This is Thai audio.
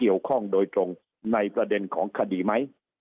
เกี่ยวข้องโดยตรงในประเด็นของคดีไหม